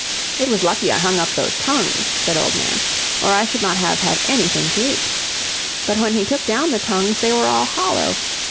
"It was lucky I hung up those tongues," said Old Man, "or I should not have had anything to eat." But when he took down the tongues they were all hollow.